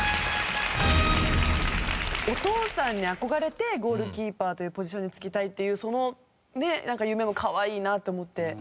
お父さんに憧れてゴールキーパーというポジションに就きたいっていうその夢もかわいいなって思って。